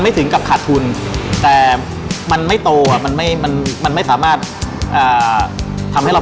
พอเราสามให้เขาตอบโจทย์ได้